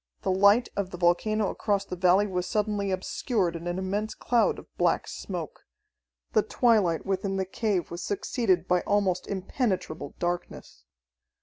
The light of the volcano across the valley was suddenly obscured in an immense cloud of black smoke. The twilight within the cave was succeeded by almost impenetrable darkness.